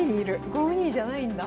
５二じゃないんだ。